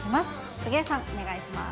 杉江さん、お願いします。